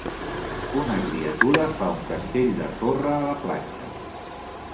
Una criatura fa un castell de sorra a la platja.